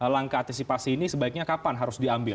langkah antisipasi ini sebaiknya kapan harus diambil